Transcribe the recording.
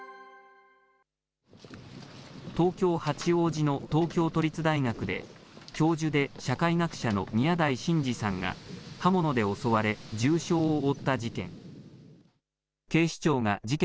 東京・八王子の東京都立大学で、教授で社会学者の宮台真司さんが刃物で襲われ、重傷を負った事件。